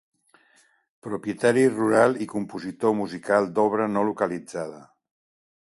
Propietari rural i compositor musical d'obra no localitzada.